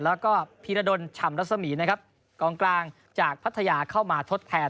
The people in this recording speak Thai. แล้วก็พีรดลฉ่ำรัศมีนะครับกองกลางจากพัทยาเข้ามาทดแทน